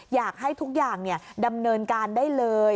อยากให้ทุกอย่างดำเนินการได้เลย